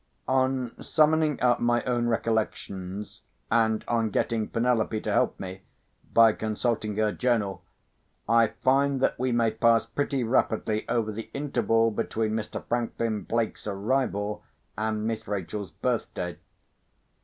On summoning up my own recollections—and on getting Penelope to help me, by consulting her journal—I find that we may pass pretty rapidly over the interval between Mr. Franklin Blake's arrival and Miss Rachel's birthday.